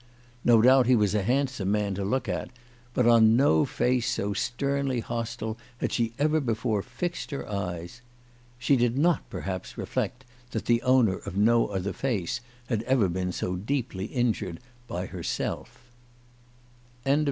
No doubt he was a handsome man to look at, but on no face so sternly hostile had she ever before fixed her eyes. She did not, perhaps, reflect that the owner of no other face had ever been so deeply injured by herself.